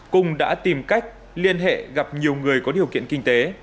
cung đã tìm cách liên hệ gặp nhiều người có điều kiện kinh tế